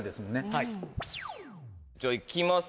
はいじゃあいきます